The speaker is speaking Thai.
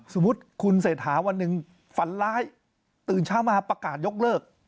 สมมุติคุณเศรษฐาวันหนึ่งฝันร้ายตื่นเช้ามาประกาศยกเลิก